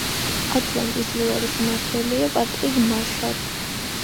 ატლანტის ლუარის მმართველია პატრიკ მარშალი.